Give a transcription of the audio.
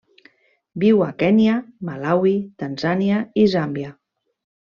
Viu a Kenya, Malawi, Tanzània i Zàmbia.